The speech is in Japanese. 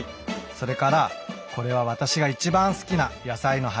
それからこれは私がいちばん好きな野菜の花。